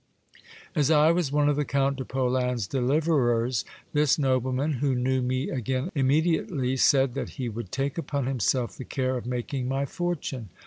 As I was one of the Count de Polan's deliverers, this nobleman, who knew me again immediately, said that he would take upon himself the care of making my fortune.